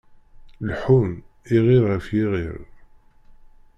Leḥḥun, iɣiṛ ɣef yiɣiṛ.